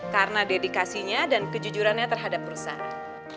karena dedikasinya dan kejujurannya terhadap perusahaan